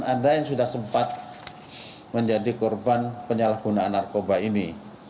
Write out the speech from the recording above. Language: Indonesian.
ada yang sudah sempat menjadi korban penyalahgunaan narkoba ini